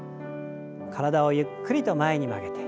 体をゆっくりと前に曲げて。